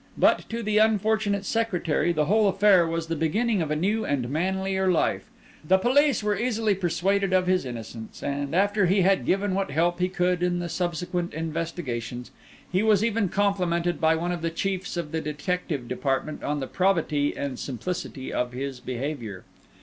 But to the unfortunate Secretary the whole affair was the beginning of a new and manlier life. The police were easily persuaded of his innocence; and, after he had given what help he could in the subsequent investigations, he was even complemented by one of the chiefs of the detective department on the probity and simplicity of his behaviour.